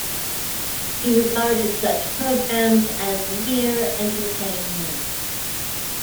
He regarded such programmes as "mere entertainment".